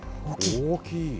大きい。